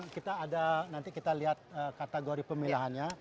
kita ada nanti kita lihat kategori pemilahannya